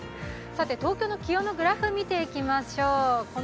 東京の気温のグラフ、見ていきましょう。